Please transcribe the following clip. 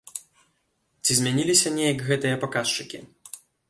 Ці змяніліся неяк гэтыя паказчыкі?